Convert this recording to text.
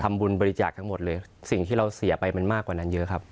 บริจาคทั้งหมดเลยสิ่งที่เราเสียไปมันมากกว่านั้นเยอะครับ